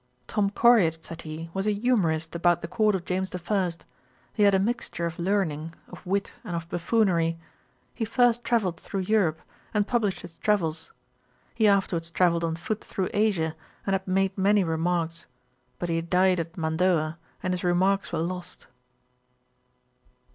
'Tom Coriat, (said he,) was a humourist about the court of James the First. He had a mixture of learning, of wit, and of buffoonery. He first travelled through Europe, and published his travels. He afterwards travelled on foot through Asia, and had made many remarks; but he died at Mandoa, and his remarks were lost.'